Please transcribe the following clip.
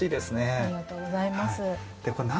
ありがとうございます。